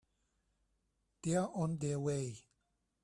They're on their way.